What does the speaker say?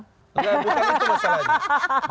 bukan itu masalahnya